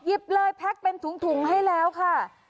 เลยแพ็คเป็นถุงให้แล้วค่ะ